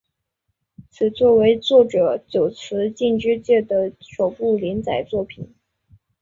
此作为作者久慈进之介的首部连载作品。